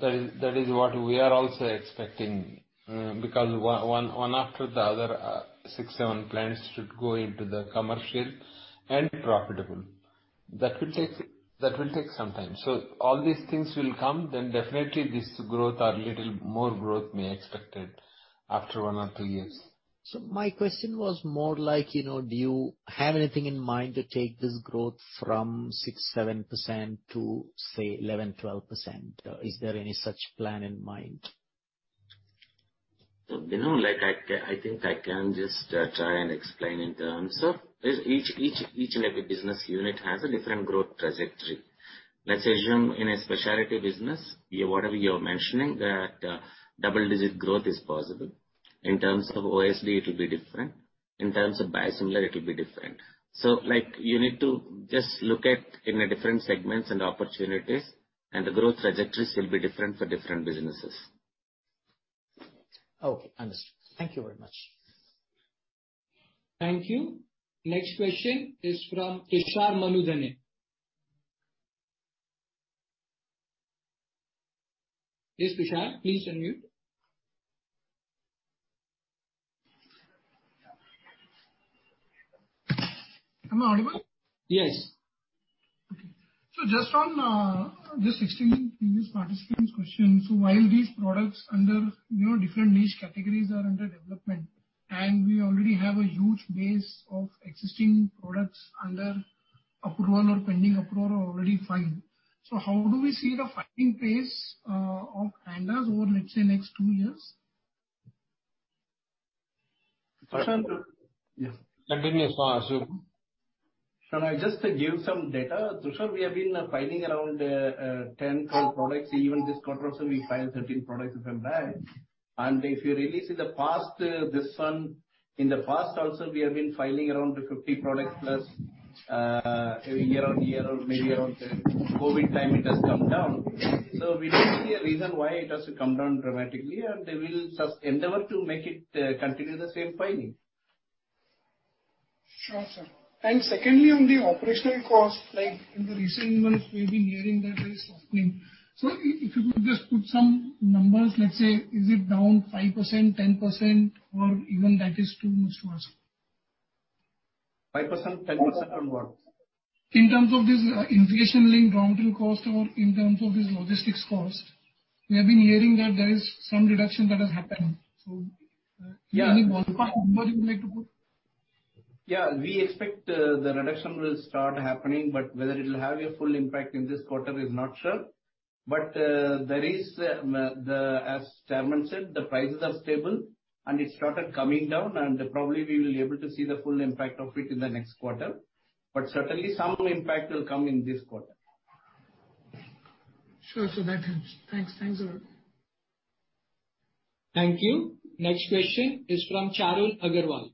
That is what we are also expecting because one after the other, six, seven plants should go into the commercial and profitable. That will take some time. All these things will come, then definitely this growth or little more growth may expected after one or two years. My question was more like, you know, do you have anything in mind to take this growth from 6%-7% to, say, 11%-12%? Is there any such plan in mind? Binoy, like I think I can just try and explain in terms of each maybe business unit has a different growth trajectory. Let's assume in a specialty business, whatever you're mentioning, that double-digit growth is possible. In terms of OSD, it will be different. In terms of biosimilar, it will be different. Like, you need to just look at in the different segments and opportunities, and the growth trajectories will be different for different businesses. Okay, understood. Thank you very much. Thank you. Next question is from Tushar Manudhane. Yes, Tushar, please unmute. Am I audible? Yes. Just on, just extending previous participant's question, while these products under, you know, different niche categories are under development, and we already have a huge base of existing products under approval or pending approval already filed. How do we see the filing pace of ANDAs over, let's say, next two years? Tushar- Yes. Continue, Santham. Shall I just give some data? Tushar, we have been filing around 10, 12 products. Even this quarter also, we filed 13 products, if I'm right. If you recall in the past this one, in the past also we have been filing around 50 products plus, year on year, or maybe around the COVID time it has come down. We don't see a reason why it has to come down dramatically, and we will endeavor to make it continue the same filing. Sure, sir. Secondly, on the operational cost, like in the recent months, we've been hearing that there is softening. If you could just put some numbers, let's say, is it down 5%, 10%, or even that is too much to ask? 5%, 10% on what? In terms of this, inflation link, raw material cost, or in terms of this logistics cost. We have been hearing that there is some reduction that has happened. Yeah. Any ballpark number you'd like to put? Yeah, we expect, the reduction will start happening, but whether it'll have a full impact in this quarter is not sure. There is, as chairman said, the prices are stable, and it started coming down, and probably we will be able to see the full impact of it in the next quarter. Certainly some impact will come in this quarter. Sure. That helps. Thanks. Thanks a lot. Thank you. Next question is from Charul Agarwal.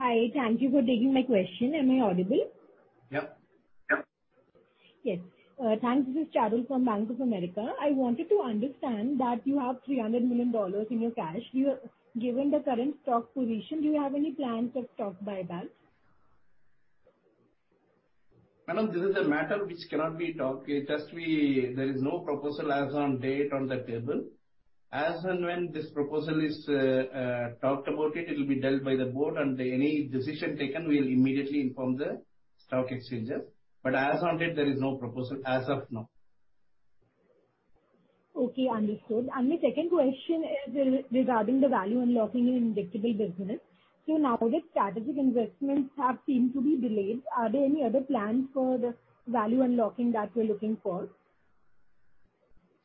Hi. Thank you for taking my question. Am I audible? Yep. Yep. Yes. Thanks. This is Charul from Bank of America. I wanted to understand that you have $300 million in your cash. Given the current stock position, do you have any plans of stock buyback? Madam, this is a matter which cannot be talked. There is no proposal as on date on the table. As and when this proposal is talked about it'll be dealt by the board, and any decision taken, we'll immediately inform the stock exchanges. As on date, there is no proposal as of now. Okay, understood. My second question is regarding the value unlocking in injectable business. Now that strategic investments have seemed to be delayed, are there any other plans for the value unlocking that you're looking for?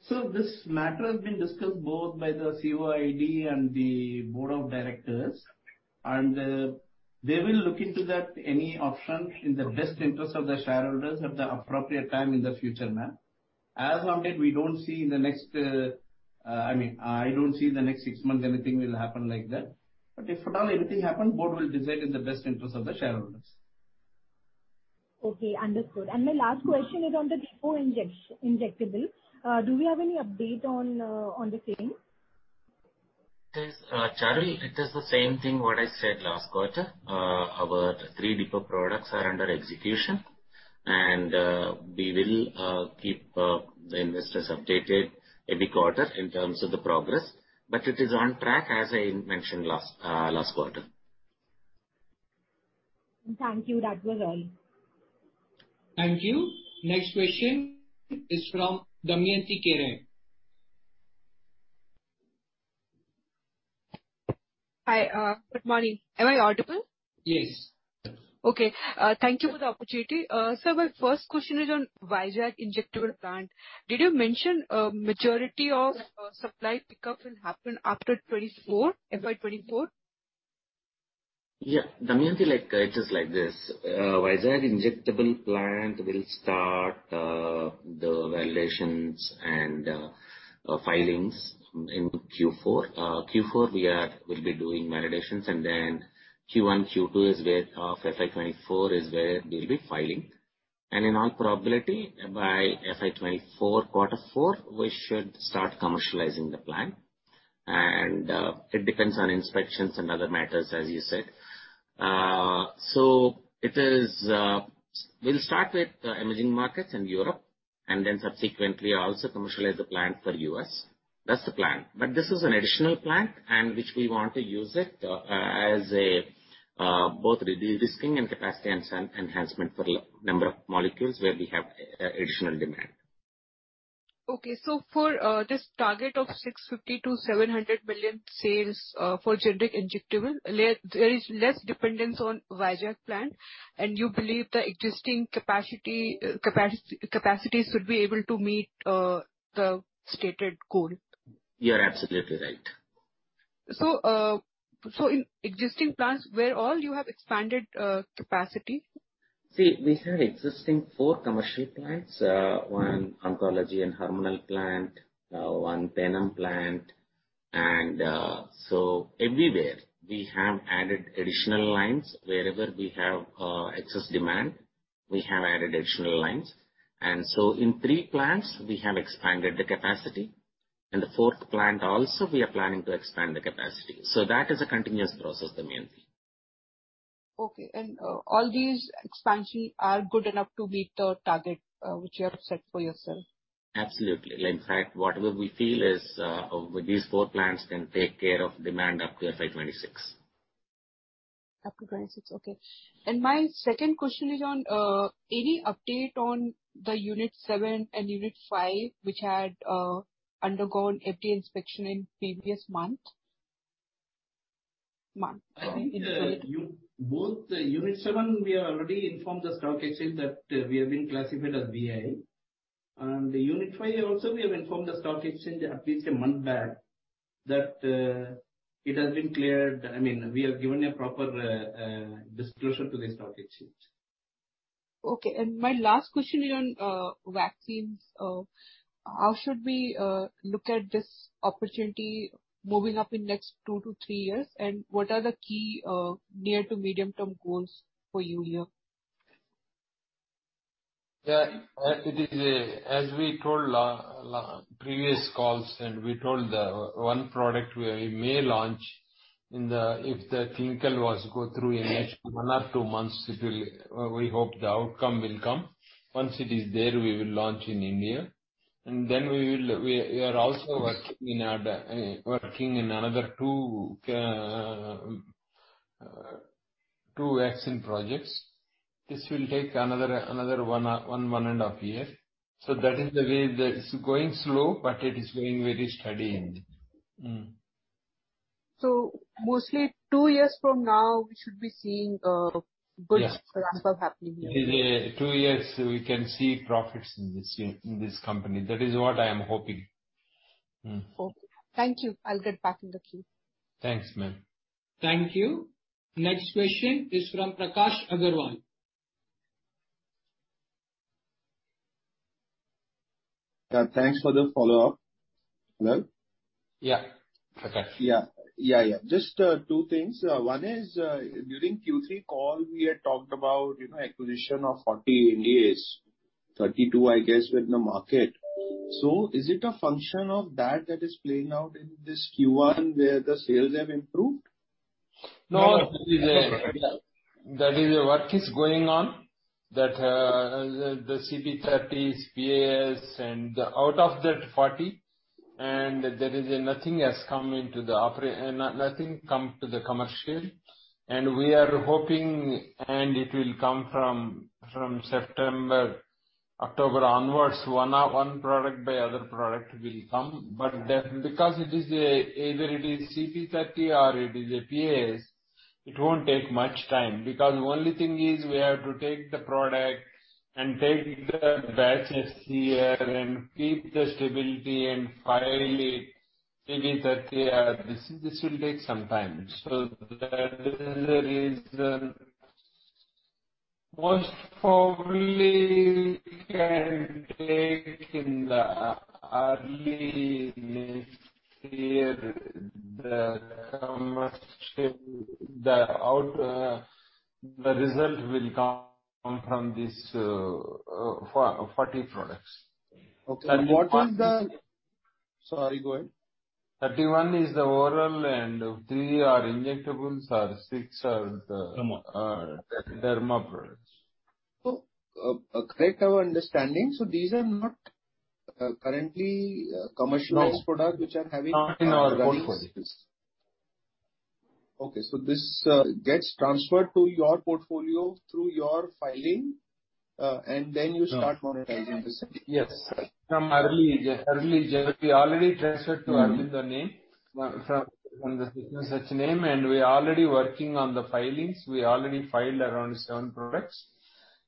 This matter has been discussed both by the COID and the board of directors, and they will look into that any option in the best interest of the shareholders at the appropriate time in the future, ma'am. As of date, we don't see in the next, I mean, I don't see in the next six months anything will happen like that. If at all anything happen, board will decide in the best interest of the shareholders. Okay, understood. My last question is on the depot injectable. Do we have any update on the same? Yes, Charul, it is the same thing what I said last quarter. Our three depot products are under execution, and we will keep the investors updated every quarter in terms of the progress. It is on track as I mentioned last quarter. Thank you. That was all. Thank you. Next question is from Damyanti Kerai. Hi. Good morning. Am I audible? Yes. Okay. Thank you for the opportunity. Sir, my first question is on Vizag injectable plant. Did you mention a majority of supply pickup will happen after 2024, FY 2024? Yeah. Damayanti, like, it is like this. Vizag injectable plant will start the validations and filings in Q4. Q4 we will be doing validations, and then Q1, Q2 of FY 2024 is where we'll be filing. In all probability, by FY 2024, quarter four, we should start commercializing the plant. It depends on inspections and other matters, as you said. We'll start with emerging markets and Europe, and then subsequently also commercialize the plant for U.S. That's the plan. This is an additional plant and which we want to use it as both de-risking and capacity enhancement for a number of molecules where we have additional demand. For this target of 650 million-700 million sales for generic injectable, there is less dependence on Vizag plant and you believe the existing capacities would be able to meet the stated goal? You're absolutely right. In existing plants, where all you have expanded capacity? See, we have existing four commercial plants. One oncology and hormonal plant, one venom plant. Everywhere we have added additional lines. Wherever we have excess demand, we have added additional lines. In three plants we have expanded the capacity. The fourth plant also we are planning to expand the capacity. That is a continuous process, Damayanti. Okay. All these expansions are good enough to meet the target which you have set for yourself? Absolutely. In fact, whatever we feel is with these 4 plants can take care of demand up to FY 2026. Up to 2026. Okay. My second question is on any update on the unit seven and unit five which had undergone FDA inspection in previous month. I think both the unit seven we have already informed the stock exchange that we have been classified as VAI. The unit five also we have informed the stock exchange at least a month back that it has been cleared. I mean, we have given a proper disclosure to the stock exchange. Okay. My last question is on vaccines. How should we look at this opportunity moving up in next two-three years and what are the key near to medium term goals for you here? Yeah. It is as we told in previous calls and we told the one product we may launch if the clinical trials go through in next one or two months. It will. We hope the outcome will come. Once it is there, we will launch in India. Then we are also working on another two vaccine projects. This will take another one and a half years. That is the way. It's going slow, but it is going very steady, I mean. Mostly two years from now we should be seeing good. Yeah. Stuff happening here. In two years we can see profits in this company. That is what I am hoping. Okay. Thank you. I'll get back in the queue. Thanks, ma'am. Thank you. Next question is from Prakash Agarwal. Thanks for the follow-up. Hello? Yeah. Prakash. Yeah. Just, two things. One is, during Q3 call we had talked about, you know, acquisition of 40 NDAs. 32 I guess were in the market. Is it a function of that that is playing out in this Q1, where the sales have improved? No. No. It is work going on, the CBE-30s, PAS and out of that 40, and there is nothing has come into the operation, nothing come to the commercial. We are hoping, it will come from September, October onwards, one product by other product will come. Because it is either it is CBE-30 or it is a PAS, it won't take much time. Because only thing is we have to take the product and take the batches here and keep the stability and file it. Maybe 30, this will take some time. That is the reason most probably can take in early next year the commercial, the output, the result will come from this 40 products. Okay. What is the- Thirty-one- Sorry, go ahead. 31 is the oral and three are injectables or six are the. Derma. derma products. Correct our understanding. These are not currently commercialized- No. Products which are having. Not in our portfolio. running studies. Okay. This gets transferred to your portfolio through your filing, and then you start monetizing this. Yes. From early January, we already transferred to Aurobindo name from the business search name, and we're already working on the filings. We already filed around seven products.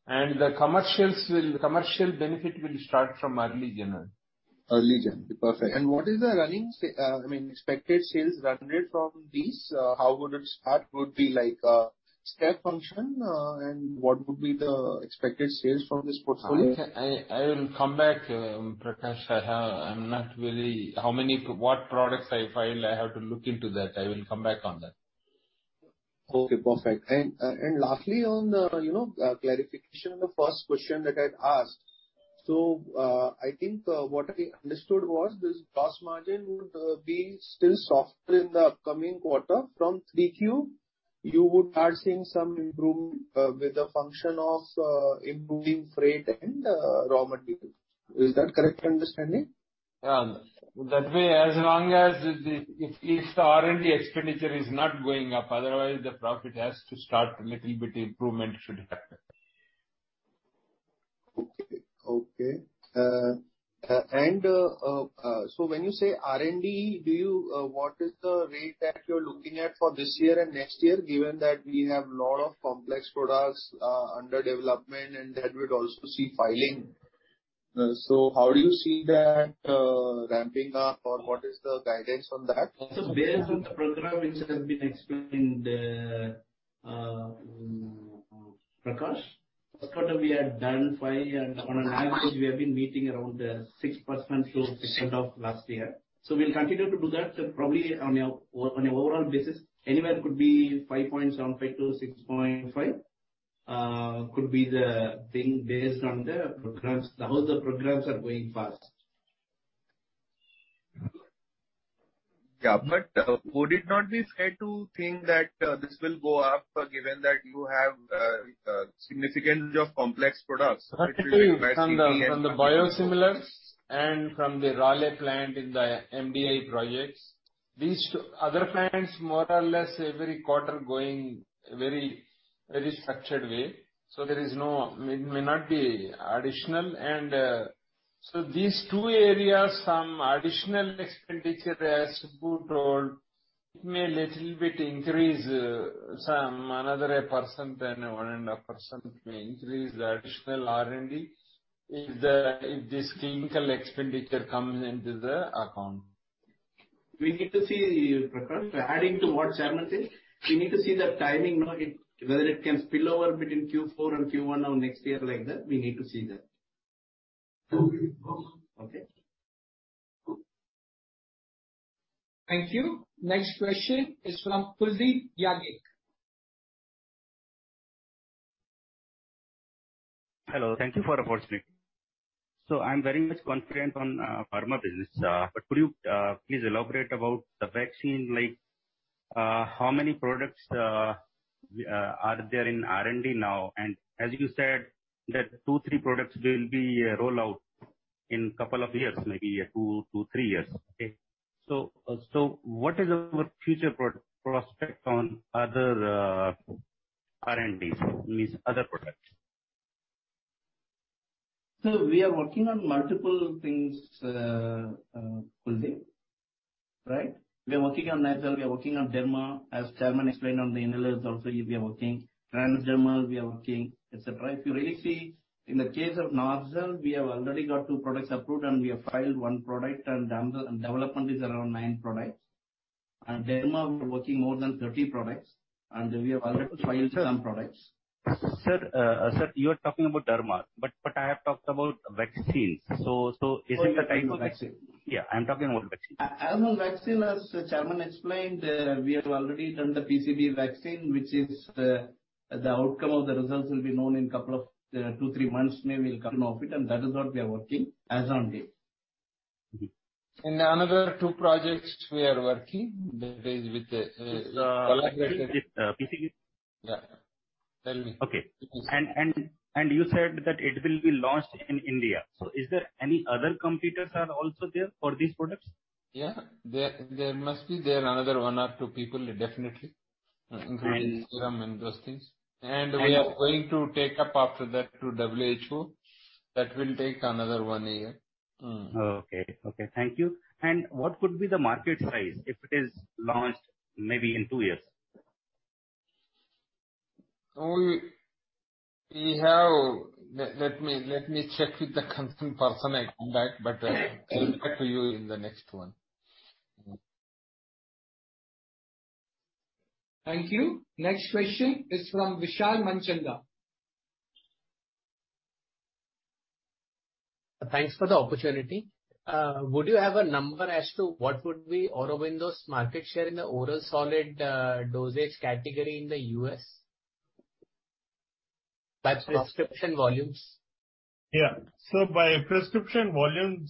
The commercial benefit will start from early January. Early January. Perfect. What is the expected sales run rate from these, how would it start? Would it be like a step function, and what would be the expected sales from this portfolio? I will come back, Prakash. I'm not sure how many products I filed. I have to look into that. I will come back on that. Okay, perfect. Lastly on the, you know, clarification on the first question that I'd asked. I think what I understood was this gross margin would be still softer in the upcoming quarter. From 3Q, you would start seeing some improvement with the function of improving freight and raw material. Is that correct understanding? That way, as long as the if the R&D expenditure is not going up, otherwise the profit has to start a little bit improvement should happen. Okay. When you say R&D, do you what is the rate that you're looking at for this year and next year, given that we have lot of complex products under development and that we'd also see filing. How do you see that ramping up, or what is the guidance on that also? Based on the program which has been explained, Prakash. Quarter we had done five, and on an average we have been meeting around 6% to second half last year. We'll continue to do that, probably on an overall basis, anywhere could be 5.75%-6.5%, could be the thing based on the programs, how the programs are going fast. Would it not be fair to think that this will go up, given that you have significance of complex products From the biosimilars and from the Raleigh plant in the MDI projects. These two other plants more or less every quarter going very structured way. It may not be additional and these two areas, some additional expenditure as Subbu told, it may little bit increase some other percent and 1.5% may increase the additional R&D if this clinical expenditure comes into the account. We need to see, Prakash Agarwal, adding to what Chairman says, we need to see the timing, whether it can spill over between Q4 and Q1 of next year like that, we need to see that. Okay. Okay. Thank you. Next question is from Pulkit Singhal. Hello. Thank you for the opportunity. I'm very much confident on pharma business. Could you please elaborate about the vaccine, like, how many products are there in R&D now? As you said that two-three products will be roll out in couple of years, maybe, two-three years. Okay. What is our future prospect on other R&Ds, means other products? We are working on multiple things, Pulkit. Right? We are working on nasal, we are working on derma, as Chairman explained on the inhalers also we are working, transdermal we are working, et cetera. If you really see, in the case of nasal, we have already got two products approved and we have filed one product and development is around nine products. Derma we're working more than 30 products, and we have already filed some products. Sir, you are talking about derma. I have talked about vaccines. Is it the time for vaccine? Yeah, I'm talking about vaccines. As on vaccine, as Chairman explained, we have already done the PCV vaccine, which is the outcome of the results will be known in two, three months, maybe we'll come to know of it, and that is what we are working as on date. Mm-hmm. Another two projects we are working, that is with the collaborator. Is PCV? Yeah. Tell me. Okay. PCV. You said that it will be launched in India. Is there any other competitors are also there for these products? Yeah. There must be another one or two people, definitely. And- Including Serum and those things. And- We are going to take up after that to WHO. That will take another one year. Okay. Thank you. What could be the market size if it is launched maybe in two years? Let me check with the concerned person and come back, but I'll get back to you in the next one. Mm-hmm. Thank you. Next question is from Vishal Manchanda. Thanks for the opportunity. Would you have a number as to what would be Aurobindo's market share in the oral solid dosage category in the U.S.? By prescription volumes. By prescription volume,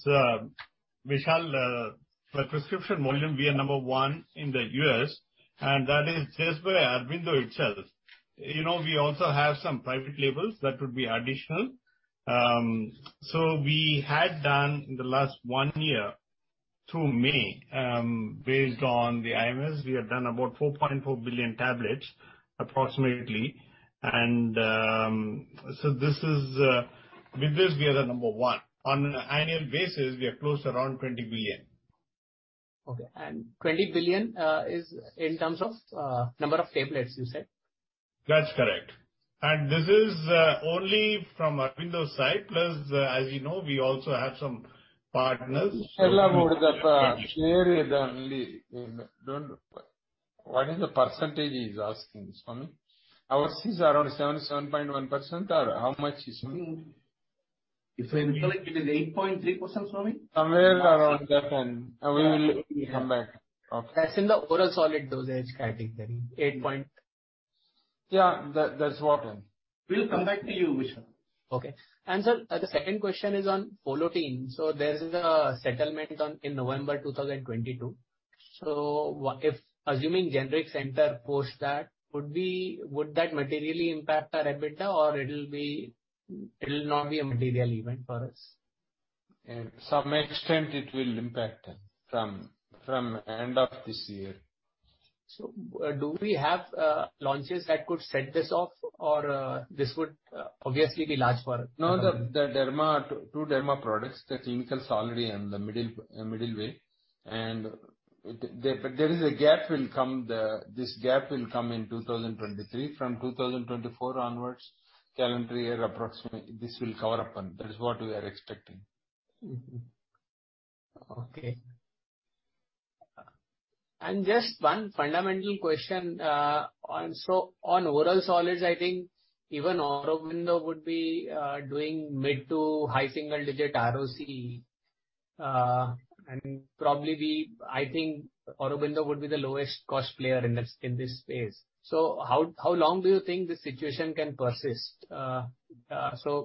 Vishal, we are number one in the U.S., and that is just by Aurobindo itself. You know, we also have some private labels that would be additional. We had done in the last one year Through May, based on the IMS, we have done about 4.4 billion tablets approximately. So this is with this, we are the number one. On an annual basis, we are close around 20 billion. Okay. 20 billion is in terms of number of tablets, you said? That's correct. This is only from Aurobindo's side. Plus, as you know, we also have some partners. What is the percentage he's asking, Swami? Ours is around 77.1%, or how much is it? If I recall, it is 8.3%, Swami. Somewhere around that, then. We will come back. Okay. As in the oral solid dosage category, 8 point. Yeah, that's what. We'll come back to you, Vishal. Okay. Sir, the second question is on Folotyn. There is a settlement ongoing in November 2022. If assuming generics enter post that, would that materially impact our EBITDA, or it'll not be a material event for us? Some extent it will impact from end of this year. Do we have launches that could set this off or this would obviously be large for- No, the two derma products, the clinicals already in the middle way. There is a gap. This gap will come in 2023. From 2024 onwards, calendar year approximately, this will cover up. That is what we are expecting. Okay. Just one fundamental question. On oral solids, I think even Aurobindo would be doing mid to high single digit ROC, and probably be, I think Aurobindo would be the lowest cost player in this space. How long do you think this situation can persist?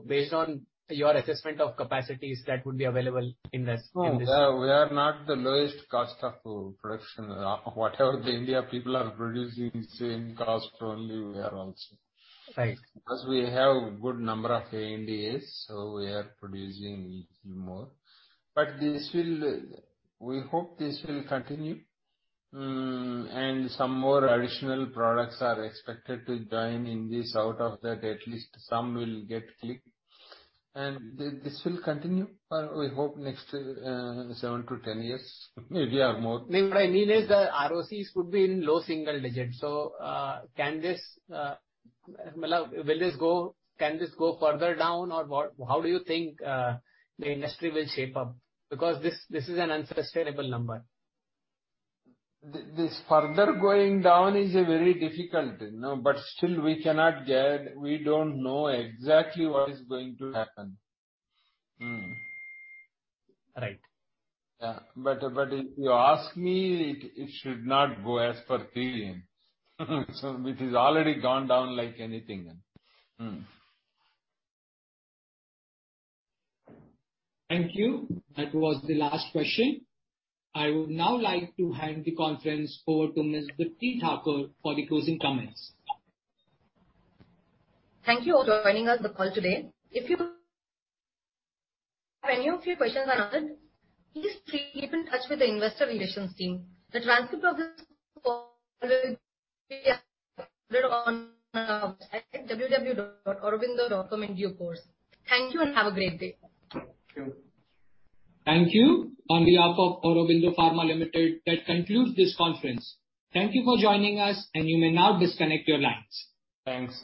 Based on your assessment of capacities that would be available in this. No, we are not the lowest cost of production. Whatever the Indian people are producing, same cost only we are also. Right. Plus we have good number of ANDAs, so we are producing even more. But this will, we hope, continue. Some more additional products are expected to join in this. Out of that, at least some will get clicked. This will continue for, we hope, next seven to ten years. Maybe more. No, what I mean is the ROCs could be in low single digits. Can this go further down or what? How do you think the industry will shape up? Because this is an unsustainable number. This further going down is a very difficult, you know, but still we cannot judge. We don't know exactly what is going to happen. Right. Yeah, but if you ask me, it should not go as per theory. It is already gone down like anything then. Thank you. That was the last question. I would now like to hand the conference over to Miss Deepti Thakur for the closing comments. Thank you all for joining us on the call today. If any of your questions are not answered, please keep in touch with the investor relations team. The transcript of this at www.aurobindo.com in due course. Thank you, and have a great day. Thank you. On behalf of Aurobindo Pharma Limited, that concludes this conference. Thank you for joining us, and you may now disconnect your lines. Thanks.